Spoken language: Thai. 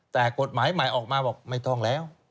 แต่กฎหมายใหม่ออกมาบอกไม่ต้องแล้ว